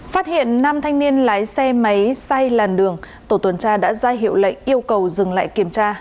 phát hiện năm thanh niên lái xe máy xay làn đường tổ tuần tra đã ra hiệu lệnh yêu cầu dừng lại kiểm tra